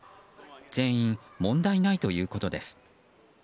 全員、問題ないということです。